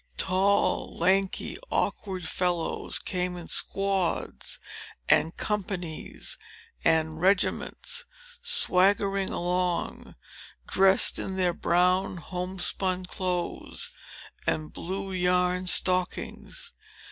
Tall, lanky, awkward, fellows, came in squads, and companies, and regiments, swaggering along, dressed in their brown homespun clothes and blue yarn stockings.